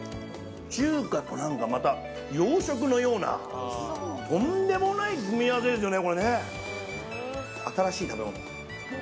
中華と、また洋食のようなとんでもない組み合わせですよね。